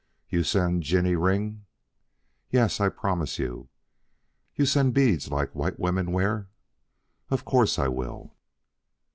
"You send Jinny ring?" "Yes, I promised you." "You send beads like white women wear?" "Of course I will."